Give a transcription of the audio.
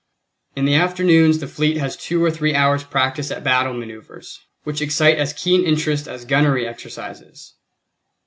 In the afternoons the fleet has two or three hours' practice at battle maneuvers, which excite as keen interest as gunnery exercises.